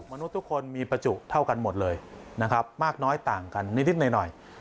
มนุษย์ทุกคนมีประจุเท่ากันหมดเลยนะครับมากน้อยต่างกันนิดหน่อย